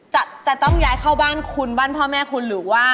จัดแล้วต้องแยกเข้าบ้านคุณบ้านพ่อแม่คุณหรือว่า